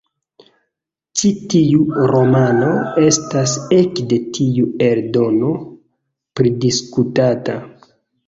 Ĉi tiu romano estas ekde tiu eldono pridisputata.